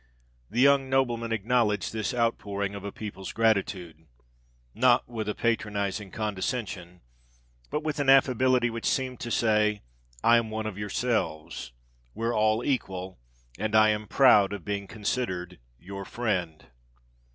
The young nobleman acknowledged this outpouring of a people's gratitude—not with a patronising condescension, but with an affability which seemed to say, "I am one of yourselves—we're all equal—and I am proud of being considered your friend!"